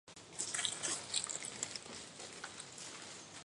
祖籍宁波府慈溪县慈城镇。